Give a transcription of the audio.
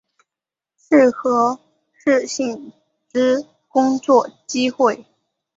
媒合适性之工作机会